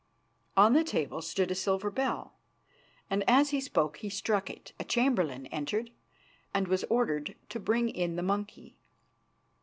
On the table stood a silver bell, and as he spoke he struck it. A chamberlain entered and was ordered to bring in the monkey.